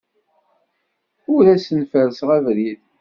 Ur asen-ferrseɣ abrid.